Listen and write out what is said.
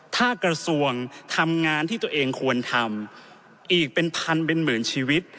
ถ้ากระทรวงทำงานที่ตัวเองควรทำอีกเป็นพันเป็นหมื่นชีวิต